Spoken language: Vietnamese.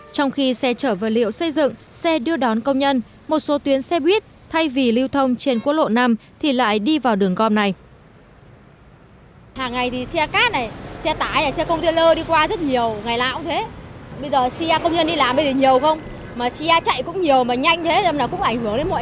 trong khi xe chở vật liệu xây dựng xe đưa đón công nhân một số tuyến xe buýt thay vì lưu thông trên quốc lộ năm thì lại đi vào đường gom này